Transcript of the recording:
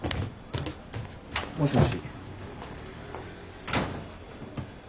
もしもし。